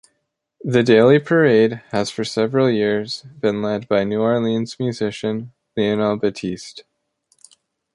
The daily parade has for several years been led by New Orleans-musician Lionel Batiste.